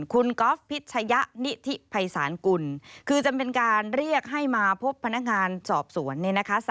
คุณก๊อฟพิชยะนิทิไพสานกุลคือจะเป็นการเรียกให้มาพบพนักงานจอบสวน